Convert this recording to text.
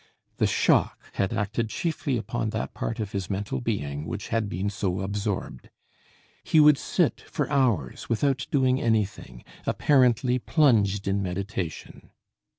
The shock had acted chiefly upon that part of his mental being which had been so absorbed. He would sit for hours without doing anything, apparently plunged in meditation.